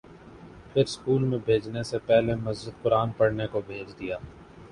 پھر اسکول میں بھیجنے سے پہلے مسجد قرآن پڑھنے کو بھیج دیا